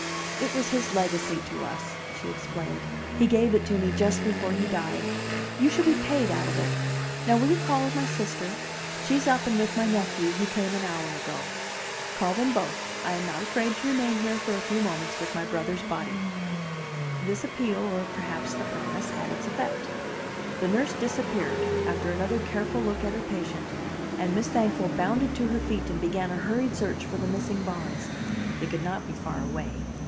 'It was his legacy to us,' she explained. 'He gave it to me just before he died. You shall be paid out of it. Now will you call my sister? She's up and with my nephew, who came an hour ago. Call them both; I am not afraid to remain here for a few moments with my brother's body.' This appeal, or perhaps the promise, had its effect. The nurse disappeared, after another careful look at her patient, and Miss Thankful bounded to her feet and began a hurried search for the missing bonds. They could not be far away.